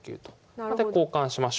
なので交換しましょう。